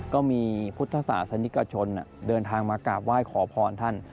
ก็มีพุทธศาสนิกชนเดินทางมากราบไหว้ขอพรท่าน